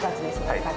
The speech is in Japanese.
はい。